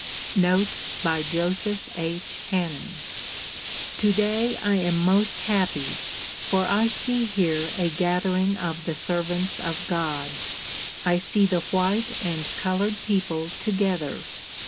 Notes by Joseph H. Haniien 'T^ODAY I am most happy, for I see here a gathering of the J servants of God. I see the white and colored people together.